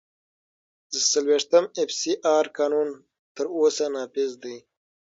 د څلوېښتم اېف سي آر قانون تر اوسه نافذ دی.